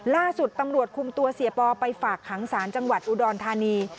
ล่าสุดตำรวจคุมตัวเสียปอไปฝากขังศาลจังหวัดอุดรธานี